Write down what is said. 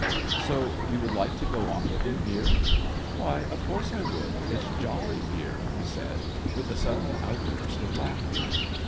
So you would like to go on living here ?" "Why, of course, I would. It's jolly here!" he said, with a sudden outburst of laughter.